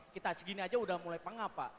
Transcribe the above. kita segini aja udah mulai pengapa